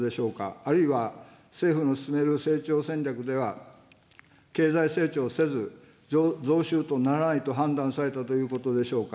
あるいは政府の進める成長戦略では、経済成長せず増収とならないと判断されたということでしょうか。